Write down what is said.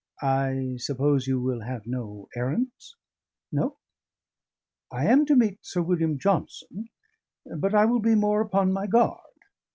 "I suppose you will have no errands? No? I am to meet Sir William Johnson, but I will be more upon my guard."